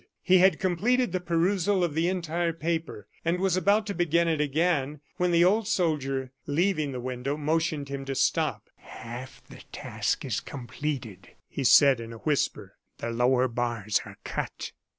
He had completed the perusal of the entire paper, and was about to begin it again, when the old soldier, leaving the window, motioned him to stop. "Half the task is completed," he said, in a whisper. "The lower bars are cut."